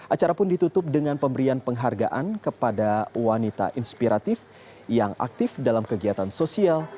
acara pun ditutup dengan pemberian penghargaan kepada wanita inspiratif yang aktif dalam kegiatan sosial